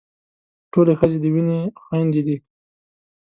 ټولې ښځې د وينې خويندې دي.